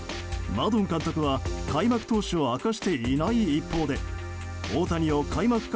マドン監督は開幕投手を明かしていない一方で大谷を開幕